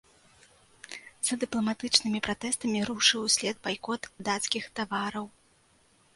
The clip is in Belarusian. За дыпламатычнымі пратэстамі рушыў услед байкот дацкіх тавараў.